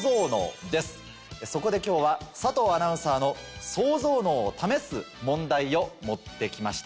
そこで今日は佐藤アナウンサーのソウゾウ脳を試す問題を持って来ました。